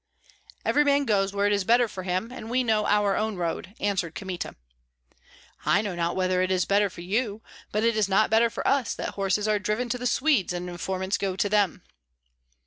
"Every man goes where it is better for him, and we know our own road," answered Kmita. "I know not whether it is better for you; but it is not better for us that horses are driven to the Swedes and informants go to them."